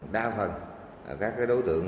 đa phần các đối tượng